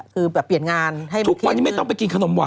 ทุกวันยังไม่ต้องมากินข้าว